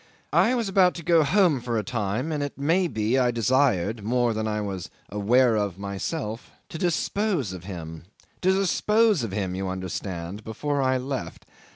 I was about to go home for a time; and it may be I desired, more than I was aware of myself, to dispose of him to dispose of him, you understand before I left.